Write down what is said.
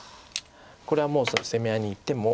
これはもう攻め合いにいっても。